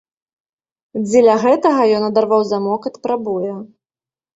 Дзеля гэтага ён адарваў замок ад прабоя.